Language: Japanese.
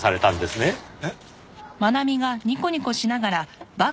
えっ？